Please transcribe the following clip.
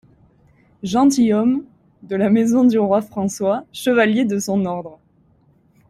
Gentilhomme de la maison du roi François, chevalier de son ordre.